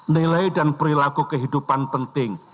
nilai dan perilaku kehidupan penting